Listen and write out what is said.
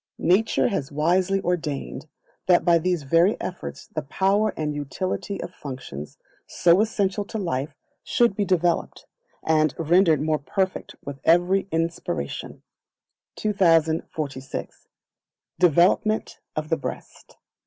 Nature has wisely ordained that by these very efforts the power and utility of functions so essential to life should be developed, and rendered more perfect with every inspiration. 2046. Development of the Breast.